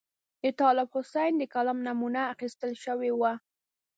د طالب حسین د کلام نمونه اخیستل شوې وه.